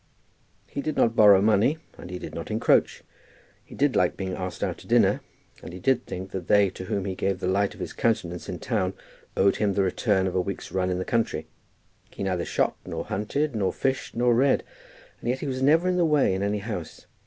He did not borrow money, and he did not encroach. He did like being asked out to dinner, and he did think that they to whom he gave the light of his countenance in town owed him the return of a week's run in the country. He neither shot, nor hunted nor fished, nor read, and yet he was never in the way in any house.